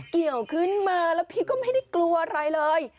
เกี่ยวขึ้นมาแล้วพี่ก็ไม่ได้กลัวอะไรเลย